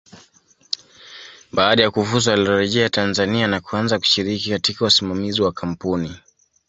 Baada ya kufuzu alirejea Tanzania na kuanza kushiriki katika usimamizi wa kampuni